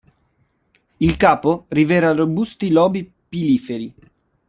Il capo rivela robusti lobi piliferi.